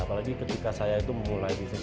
apalagi ketika saya itu memulai bisnis